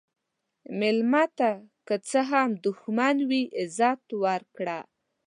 مېلمه ته که څه هم دښمن وي، عزت ورکړه.